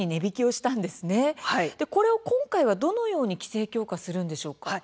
これを今回はどのように規制するんでしょうか？